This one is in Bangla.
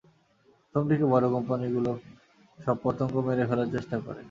প্রথমদিকে বড়ো কোম্পানিগুলো সব পতঙ্গ মেরে ফেলার চেষ্টা করে।